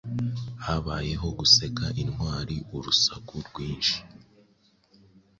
Habayeho guseka intwari urusaku rwinshi